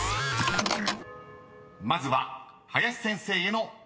［まずは林先生への問題］